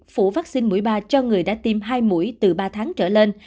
phủ vaccine mũi ba cho người đã tiêm hai mũi từ ba tháng trở lên